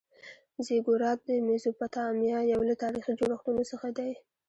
زیګورات د میزوپتامیا یو له تاریخي جوړښتونو څخه دی.